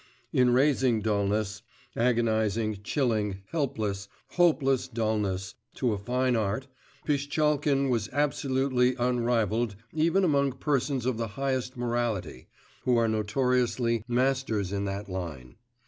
In raising dulness agonising, chilling, helpless, hopeless dulness to a fine art, Pishtchalkin was absolutely unrivalled even among persons of the highest morality, who are notoriously masters in that line.